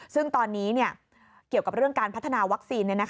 ซึ่งตอนนี้เกี่ยวกับเรื่องการพัฒนาวัคซีน